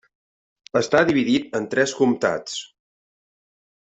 Està dividit en tres comtats: